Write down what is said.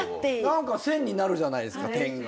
何か線になるじゃないですか点が。